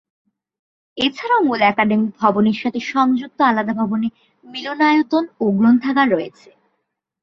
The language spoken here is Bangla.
এছাড়াও মূল একাডেমিক ভবনের সাথে সংযুক্ত আলাদা ভবনে মিলনায়তন ও গ্রন্থাগার রয়েছে।